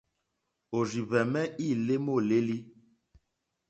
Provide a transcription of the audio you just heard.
Òrzìhwɛ̀mɛ́ î lé môlélí.